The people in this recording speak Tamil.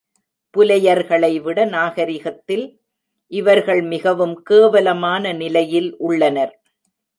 புலையர்களைவிட நாகரிகத்தில் இவர்கள் மிகவும் கேவலமான நிலையில் உள்ளனர்.